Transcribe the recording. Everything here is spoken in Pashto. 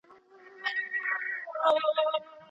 نړیوال قوانین د ټولو هیوادونو لپاره د مساوات او عدالت ضامن دي.